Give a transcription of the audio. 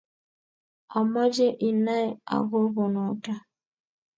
amoche inai akobo noto.